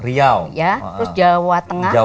iya terus jawa tengah